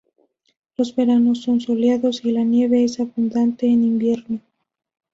Los veranos son soleados y la nieve es abundante en invierno.